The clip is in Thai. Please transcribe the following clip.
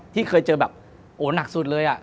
มีไหมที่เคยเจอแบบหนักสุดเลย